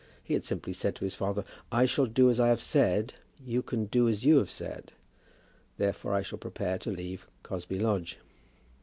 He had simply said to his father, "I shall do as I have said. You can do as you have said. Therefore, I shall prepare to leave Cosby Lodge."